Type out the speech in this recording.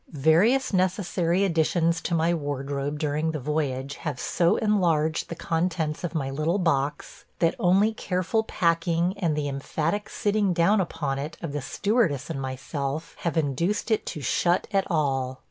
Various necessary additions to my wardrobe during the voyage have so enlarged the contents of my little box that only careful packing and the emphatic sitting down upon it of the stewardess and myself have induced it to shut at all.